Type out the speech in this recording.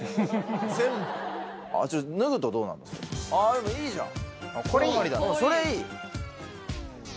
でもいいじゃん。